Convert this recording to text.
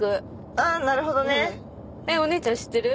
あなるほどね。お姉ちゃん知ってる？